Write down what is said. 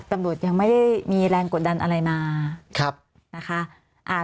ตำรวจยังไม่ได้มีแรงกดดันอะไรมานะคะ